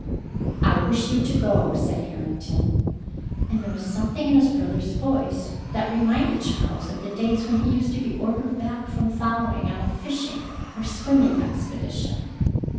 "I wish you to go," said Harrington, and there was something in his brother's voice that reminded Charles of the days when he used to be ordered back from following on a fishing or swimming expedition.